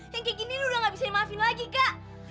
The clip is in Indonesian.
yang kayak gini udah gak bisa dimaafin lagi kak